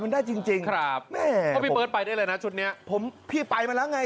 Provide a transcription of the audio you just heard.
มันได้จริงครับพี่เปิ้ลไปได้เลยนะชุดเนี้ยผมพี่ไปมาแล้วไง